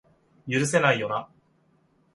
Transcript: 許せないよな